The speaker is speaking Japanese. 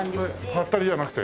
ハッタリじゃなくて？